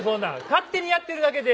勝手にやってるだけで。